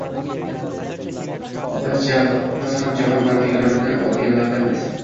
Biz ham Jahon banki grantini olganlardanmiz